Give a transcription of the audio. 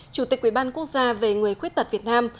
chủ tịch quỹ ban quốc gia về người khuyết tật việt nam